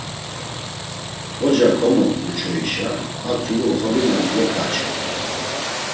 Xoca komoxt̆u çoişa, a tzulu oxorina dvoǩaçu.